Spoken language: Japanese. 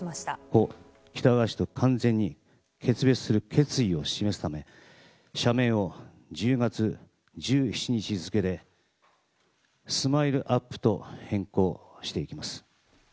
故・喜多川氏と完全に決別する決意を示すため、社名を１０月１７日付けで、スマイルアップと変更していきます。